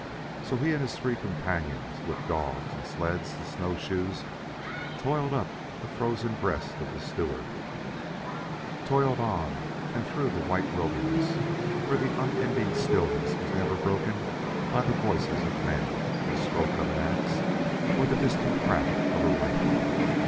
So he and his three companions, with dogs, and sleds, and snowshoes, toiled up the frozen breast of the Stewart, toiled on and on through the white wilderness where the unending stillness was never broken by the voices of men, the stroke of an ax, or the distant crack of a rifle.